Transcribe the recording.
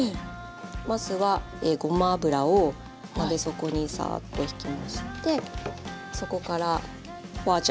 まずはごま油を鍋底にサッとひきましてそこから花椒。